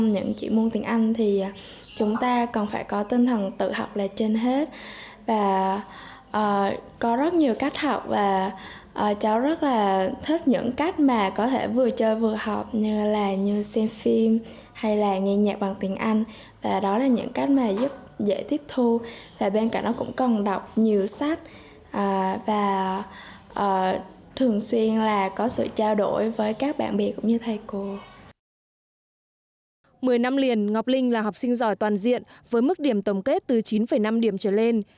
ngọc linh là học sinh giỏi toàn diện với mức điểm tổng kết từ chín năm điểm trở lên